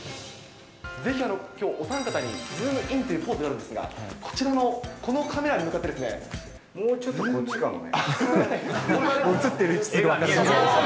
ぜひ、きょう、お三方にズームイン！！というポーズがあるんですが、こちらのこのカメラに向かってでもうちょっと、こっちかもね。